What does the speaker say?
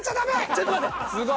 ちょっと待って。